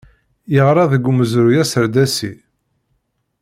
Yeɣra deg umezruy aserdasi